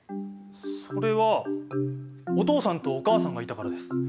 それはお父さんとお母さんがいたからです。